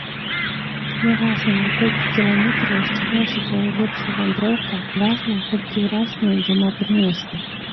Няважна, на колькі кіламетраў расцягнулася твая лепшая вандроўка, важна, колькі уражанняў яна прынесла!